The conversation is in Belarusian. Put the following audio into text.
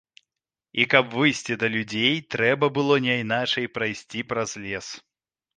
І каб выйсці да людзей, трэба было няйначай прайсці праз лес.